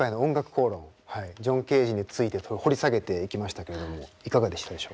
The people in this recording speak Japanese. ジョン・ケージについて掘り下げていきましたけれどもいかがでしたでしょうか？